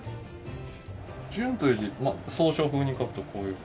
「純」という字草書風に書くとこういう感じ。